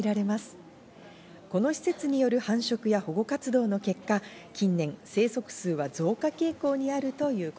この施設による繁殖や保護活動の結果、近年、生息数は増加傾向にあるというこ